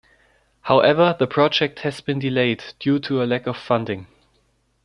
However, the project has been delayed due to a lack of funding.